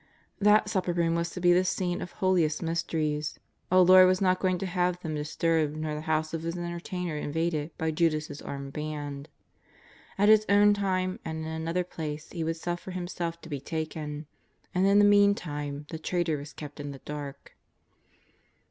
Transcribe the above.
That Supper Room was to be the scene of ho liest mysteries; our Lord was not going to have them disturbed nor the house of His entertainer invaded by Judas' armed band. At His own time and in another place He would suffer Himself to be taken, and in the meantime the traitor was kept in the dark.